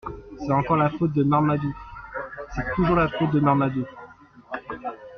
C’est encore la faute de Marmadou… c’est toujours la faute de Marmadou !